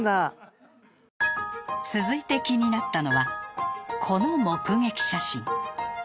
続いて気になったのはこの目ゲキ写真